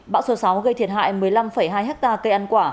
bão số sáu gây thiệt hại một mươi năm hai hectare cây ăn quả